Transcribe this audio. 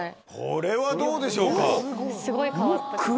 これはどうでしょうか。